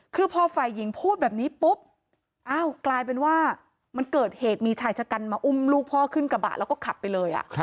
คือพอฝ่ายหญิงพูดแบบนี้ปุ๊บอ้าวกลายเป็นว่ามันเกิดเหตุมีชายชะกันมาอุ้มลูกพ่อขึ้นกระบะแล้วก็ขับไปเลย